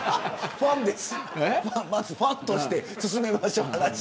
まず、ファンとして進めましょう、話を。